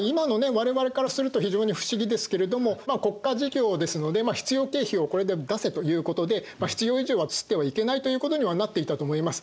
我々からすると非常に不思議ですけれども国家事業ですので必要経費をこれで出せということで必要以上は刷ってはいけないということにはなっていたと思います。